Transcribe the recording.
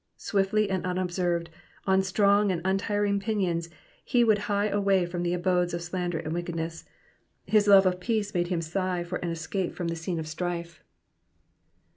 Swiftly, and unobserved, on strong, untiring pinions would he hie away from the abodes of slander and wickedness. His love of peace made him sigh for an escape from the scene of strife.